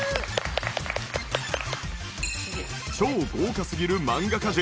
超豪華すぎる漫画家陣。